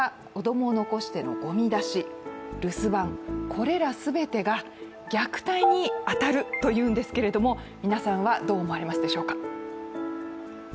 これら全てが虐待に当たるというんですけれども、皆さんはどう思われますでしょうか。